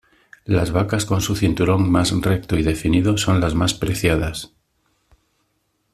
Las vacas con su cinturón más recto y definido son las más preciadas.